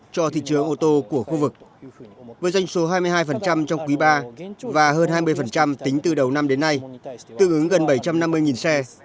cho thị trường ô tô của khu vực với doanh số hai mươi hai trong quý ba và hơn hai mươi tính từ đầu năm đến nay tương ứng gần bảy trăm năm mươi xe